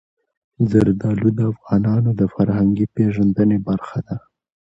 زردالو د افغانانو د فرهنګي پیژندنې برخه ده.